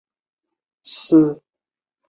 飞行器通常在机场过夜完成此项检查。